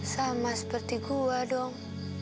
sama seperti gue dong